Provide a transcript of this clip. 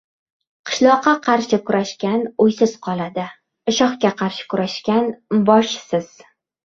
• Qishloqqa qarshi kurashgan ― uysiz qoladi, shohga qarshi kurashgan ― boshsiz.